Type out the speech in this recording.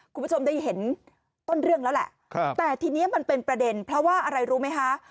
คุณผู้ชมได้เห็นต้นเรื่องแล้วแหละแต่ทีนี้มันเป็นประเด็นเพราะว่าอะไรรู้ไหมคะ